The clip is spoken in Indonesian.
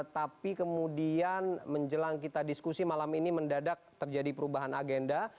tapi kemudian menjelang kita diskusi malam ini mendadak terjadi perubahan agenda